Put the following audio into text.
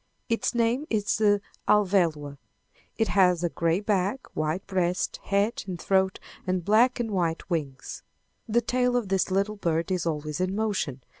Its name is the Alvéloa. It has a gray back, white breast, head and throat, and black and white wings. The tail of this little bird is always in motion.